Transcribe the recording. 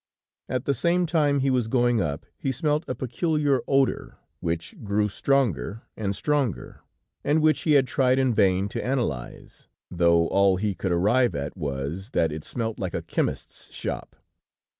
At the same time, he was going up, he smelt a peculiar odor, which grew stronger and stronger, and which he had tried in vain to analyze, though all he could arrive at was, that it smelt like a chemist's shop.